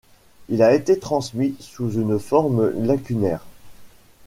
Il a été transmis sous une forme lacunaire.